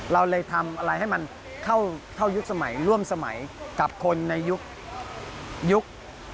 เราเลยทำอะไรให้มันเข้ายุคสมัยร่วมสมัยกับคนในยุค